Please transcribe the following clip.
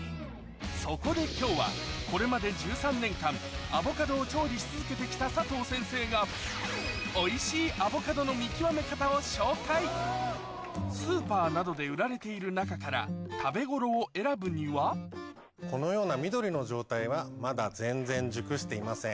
そこで今日はこれまで１３年間アボカドを調理し続けて来た佐藤先生がを紹介スーパーなどで売られている中から食べごろを選ぶにはこのような緑の状態はまだ全然熟していません。